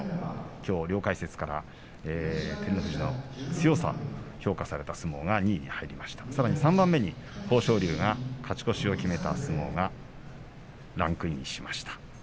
きょう両解説から照ノ富士の強さを評価されていましたがそれが２位豊昇龍が勝ち越しを決めた相撲がランクインしました。